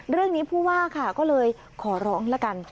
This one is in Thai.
เรื่องนี้ผู้ว่าค่ะก็เลยขอร้องละกัน